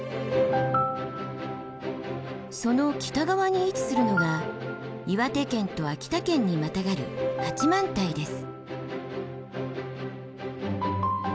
その北側に位置するのが岩手県と秋田県にまたがる八幡平です。